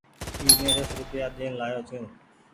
اي مين ديسو روپيا ڏين لآيو ڇون ۔